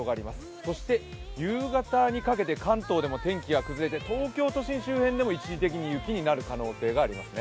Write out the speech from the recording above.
そして夕方にかけて、関東でも天気が崩れて東京都心周辺でも一時的に雪になる可能性があります。